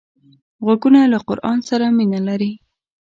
غوږونه له قرآن سره مینه لري